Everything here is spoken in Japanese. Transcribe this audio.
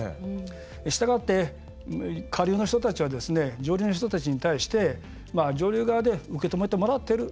したがって、下流の人たちは上流の人たちに対して上流側で受け止めてもらってる。